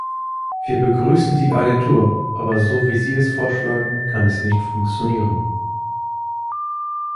Wir begrüßen die Agentur, aber so wie Sie es vorschlagen, kann es nicht funktionieren.